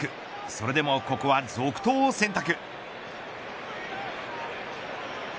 それでもここは続投を選択。